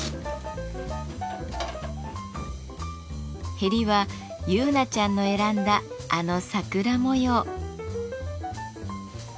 へりは結菜ちゃんの選んだあの桜模様。